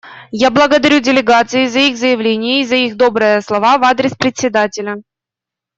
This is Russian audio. Я благодарю делегации за их заявления и за их добрые слова в адрес Председателя.